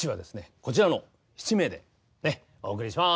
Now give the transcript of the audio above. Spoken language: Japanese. こちらの７名でねお送りします！